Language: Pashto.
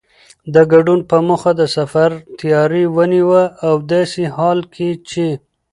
د ګډون په موخه د سفر تیاری ونیوه او داسې حال کې چې